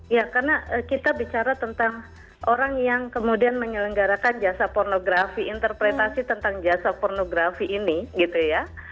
ya karena kita bicara tentang orang yang kemudian menyelenggarakan jasa pornografi interpretasi tentang jasa pornografi ini gitu ya